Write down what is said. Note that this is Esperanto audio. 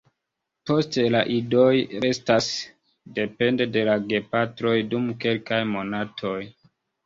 Poste la idoj restas depende de la gepatroj dum kelkaj monatoj.